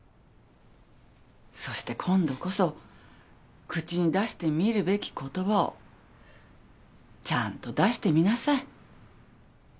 そして今度こそ口に出してみるべき言葉をちゃんと出してみなさい。